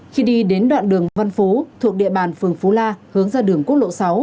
khi đi đến đoạn đường văn phú thuộc địa bàn phường phú la hướng ra đường quốc lộ sáu